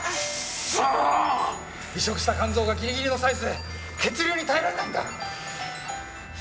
移植した肝臓がギリギリのサイズで血流に耐えられないんだ！